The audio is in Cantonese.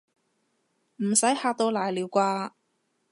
唔使嚇到瀨尿啩